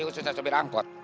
khususnya sopir angkot